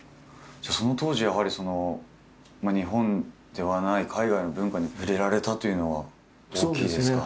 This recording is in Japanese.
じゃあその当時やはり日本ではない海外の文化に触れられたというのは大きいですか？